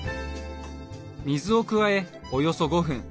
水を加えおよそ５分。